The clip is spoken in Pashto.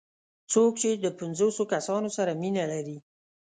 څوک چې د پنځوسو کسانو سره مینه لري.